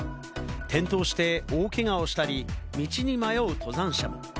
転倒して大けがをしたり、道に迷う登山者も。